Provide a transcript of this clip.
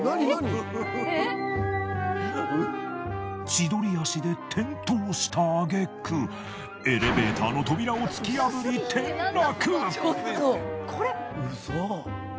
千鳥足で転倒したあげくエレベーターの扉を突き破り転落！